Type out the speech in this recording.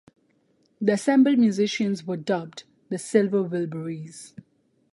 The assembled musicians were dubbed "The Silver Wilburys".